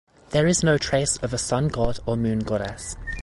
There is no trace of a Sun God or Moon Goddess.